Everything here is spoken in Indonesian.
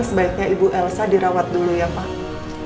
sebaiknya ibu elsa dirawat dulu ya pak